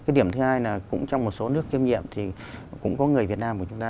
điểm thứ hai là cũng trong một số nước kiêm nhiệm thì cũng có người việt nam của chúng ta